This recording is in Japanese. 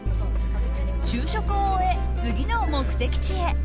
昼食を終え、次の目的地へ。